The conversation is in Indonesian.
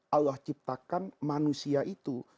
allah ciptakan manusia itu